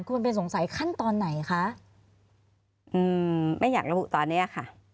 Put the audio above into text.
ควรไปสงสัยขั้นตอนไหนคะอืมไม่อยากระบุตอนเนี้ยค่ะ